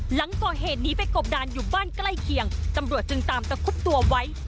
หลังก่อเหตุหนีไปกบดานอยู่บ้านใกล้เคียงตำรวจจึงตามตะคุบตัวไว้